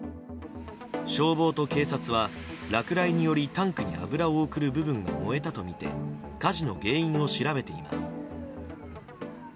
消防と警察は、落雷によりタンクに油を送る部分が燃えたとみて火事の原因を調べています。